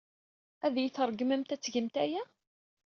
Ad iyi-tṛeggmemt ad tgemt aya?